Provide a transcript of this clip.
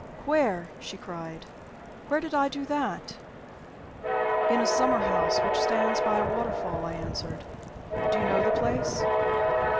'" "Where?" she cried. "Where did I do that?" "In a summer house which stands by a waterfall," I answered. "Do you know the place?"